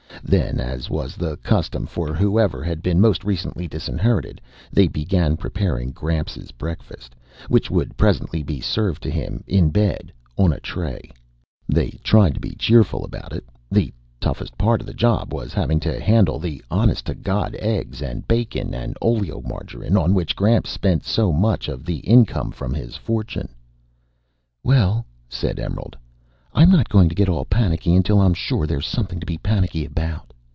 Then, as was the custom for whoever had been most recently disinherited, they began preparing Gramps' breakfast, which would presently be served to him in bed, on a tray. They tried to be cheerful about it. The toughest part of the job was having to handle the honest to God eggs and bacon and oleomargarine, on which Gramps spent so much of the income from his fortune. "Well," said Emerald, "I'm not going to get all panicky until I'm sure there's something to be panicky about."